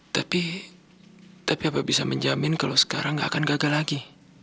tapi tapi apa bisa menjamin kalau sekarang nggak akan gagal lagi